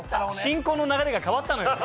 進行の流れが変わったのよ。